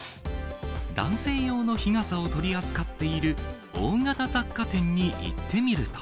男性用の日傘を取り扱っている大型雑貨店に行ってみると。